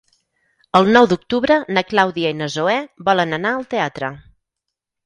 El nou d'octubre na Clàudia i na Zoè volen anar al teatre.